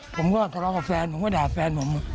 ผมก็ทะเลาะกับแฟนผมก็ด่าแฟนผม